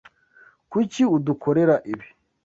Kuki udukorera ibi?